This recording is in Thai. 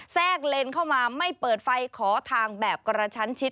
แทรกเลนเข้ามาไม่เปิดไฟขอทางแบบกระชั้นชิด